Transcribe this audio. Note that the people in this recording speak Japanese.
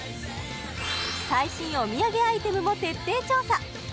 最新お土産アイテムも徹底調査